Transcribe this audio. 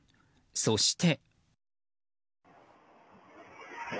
そして。